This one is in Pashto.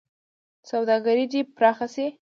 سوداګري دې پراخه شي.